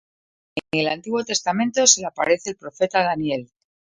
En el Antiguo Testamento, se le aparece al profeta Daniel.